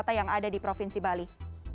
kota yang ada di provinsi bali